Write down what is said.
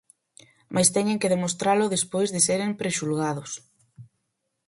Mais teñen que demostralo despois de seren prexulgados.